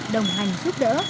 đồng hành giúp đỡ